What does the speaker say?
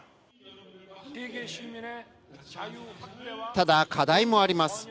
ただ、課題もあります。